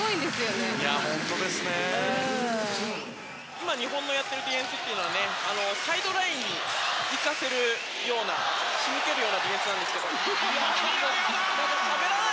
今、日本のやってるディフェンスというのはサイドラインを行かせるような仕向けるようなディフェンスなんですけど。